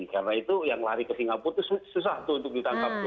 karena itu yang lari ke singapura itu susah tuh untuk ditangkap tuh